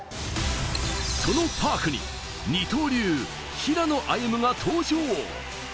そのパークに二刀流・平野歩夢が登場。